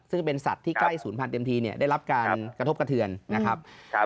ซึ่งเป็นสัตว์ที่ใกล้ศูนย์พันธุเต็มทีเนี่ยได้รับการกระทบกระเทือนนะครับ